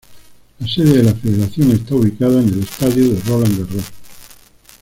La sede de la federación está ubicada en el Estadio de Roland Garros.